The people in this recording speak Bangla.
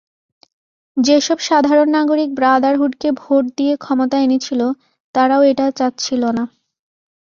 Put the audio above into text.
যেসব সাধারণ নাগরিক ব্রাদারহুডকে ভোট দিয়ে ক্ষমতায় এনেছিল, তারাও এটা চাচ্ছিল না।